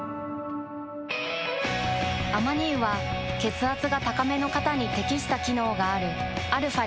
アマニ油は血圧が高めの方に適した機能があるαー